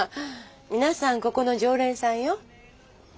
皆さんここの常連さんよ。